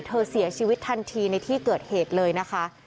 เสียชีวิตทันทีในที่เกิดเหตุเลยนะคะ